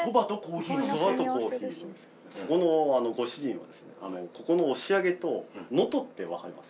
そこのご主人はここの押上と能登って分かります？